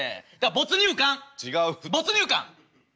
没入感。